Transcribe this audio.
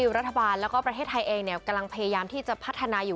รัฐบาลแล้วก็ประเทศไทยเองกำลังพยายามที่จะพัฒนาอยู่